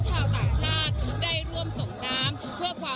อยากพาเด็กมาเที่ยวแล้วก็มาดูบ้านเล่นค่ะ